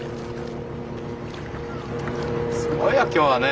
すごいや今日はね。